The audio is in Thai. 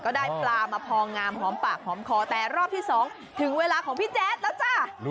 ก็ได้ปลามาพองามหอมปากหอมคอแต่รอบที่๒ถึงเวลาของพี่แจ๊ดแล้วจ้ะ